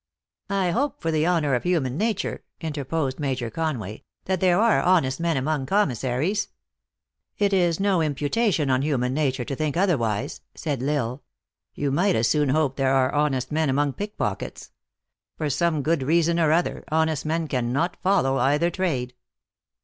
" I hope for the honor of human nature," inter posed Major Conway, " that there are honest men among commissaries ?"" It is no imputation on human nature to think otherwise," said L Isle; " You might as soon hope THE ACTKESS IN HIGH LIFE. 85 there are honest men among pickpockets. For some good reason or other, honest men cannot follow either trade."